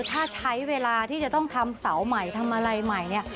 ถ้าใช้เวลาที่จะต้องทำเสาใหม่ทำอะไรใหม่เนี่ย